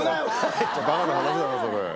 バカな話だなそれ。